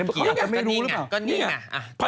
ไม่รู้หรือเปล่า